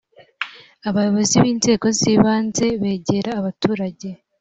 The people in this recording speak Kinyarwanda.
abayobozi b inzego z ibanze begera abaturage